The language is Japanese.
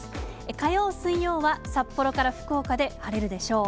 火曜、水曜は札幌から福岡で晴れるでしょう。